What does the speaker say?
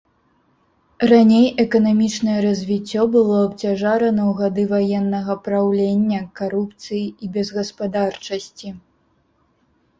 Раней эканамічнае развіццё было абцяжарана ў гады ваеннага праўлення, карупцыі і безгаспадарчасці.